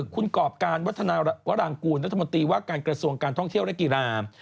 คุณกรอบการวัฒนาวรางกูลรัฐมนตรีว่าการกระทรวงการท่องเที่ยวและกีฬา